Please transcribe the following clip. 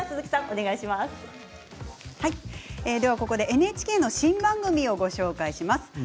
ここでＮＨＫの新番組をご紹介します。